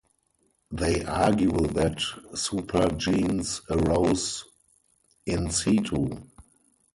They argue that supergenes arose "in situ".